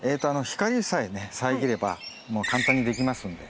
光さえね遮ればもう簡単にできますんで。